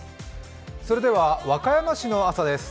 それでは和歌山市の朝です。